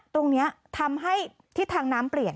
ตรงนี้ทำให้ทิศทางน้ำเปลี่ยน